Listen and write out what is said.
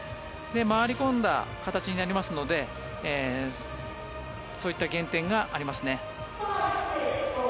回り込んだ形になりますのでそういった減点がありますね。